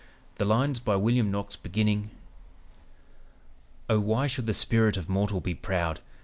. the lines by William Knox, beginning: "'Oh, why should the spirit of mortal be proud?